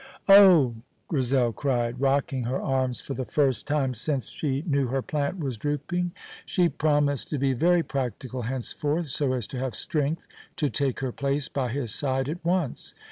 "Oh!" Grizel cried, rocking her arms for the first time since she knew her plant was drooping. She promised to be very practical henceforth, so as to have strength to take her place by his side at once.